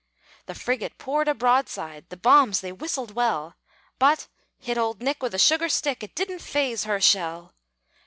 The frigate poured a broadside! The bombs they whistled well, But hit old Nick With a sugar stick! It didn't phase her shell!